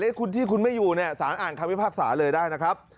คุณที่คุณไม่อยู่เนี่ยสารอ่านคำพิพากษาเลยได้นะครับ